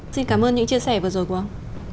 xin cảm ơn những chia sẻ vừa rồi của ông